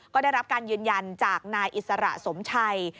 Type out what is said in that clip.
ก็ได้รับการยืนยันจากนายอิสระสมชัย